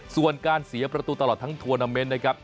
ส่วนการเสียประตูตลอดทั้งทัวร์นาเมนต์นะครับ